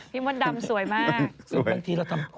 พี่มนต์ดำสวยมาก